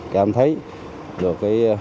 cảm thấy được